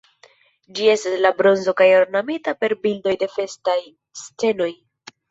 Ĝi estas el bronzo kaj ornamita per bildoj de festaj scenoj.